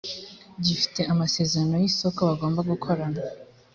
gifite amasezerano y isoko bagomba gukorana